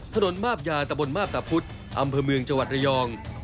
ถนนมาบยาตะบนมาพตะพุธอำเภอเมืองจังหวัดระยอง